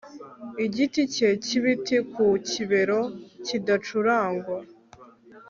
Igiti cye cyibiti ku kibero kidacurangwa